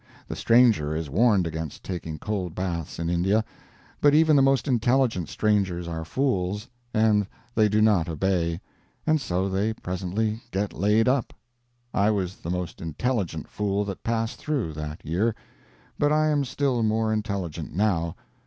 The stranger is warned against taking cold baths in India, but even the most intelligent strangers are fools, and they do not obey, and so they presently get laid up. I was the most intelligent fool that passed through, that year. But I am still more intelligent now.